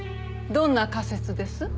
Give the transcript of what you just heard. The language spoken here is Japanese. どんな仮説です？